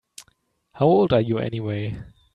How old are you anyway?